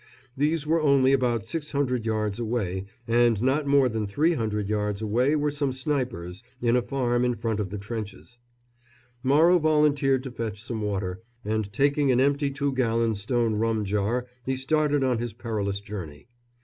These were only about 600 yards away, and not more than 300 yards away were some snipers, in a farm in front of the trenches. Morrow volunteered to fetch some water, and taking an empty two gallon stone rum jar he started on his perilous journey.